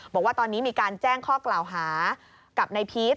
บอกว่าตอนนี้มีการแจ้งข้อกล่าวหากับนายพีช